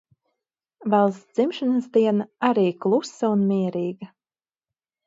Valsts dzimšanas diena arī klusa un mierīga.